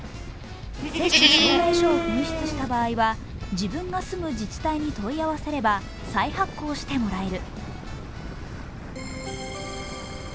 接種証明書を紛失した場合は自分が住む自治体に問い合わせれば再発行してくれる。